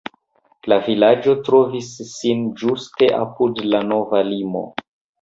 La vilaĝo trovis sin ĝuste apud la nova limo.